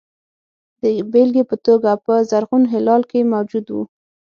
د بېلګې په توګه په زرغون هلال کې موجود وو.